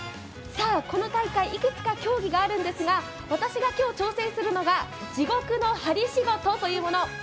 この大会、いくつか競技があるんですが、私が今日挑戦するのは地獄の針仕事というもの。